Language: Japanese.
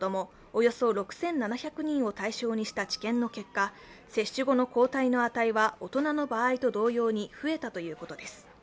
およそ６７００人を対象にした治験の結果、接種後の抗体の値は大人の場合と同様に増えたということです。